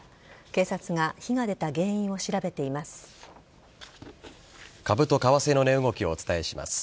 警察が火が出た原因を調べています。